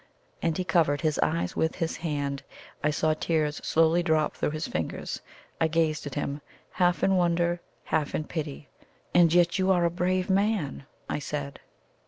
And he covered his eyes with his hand I saw tears slowly drop through his fingers. I gazed at him, half in wonder, half in pity. "And yet you are a brave man!" I said.